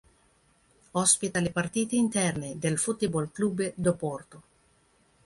Ospita le partite interne del Futebol Clube do Porto.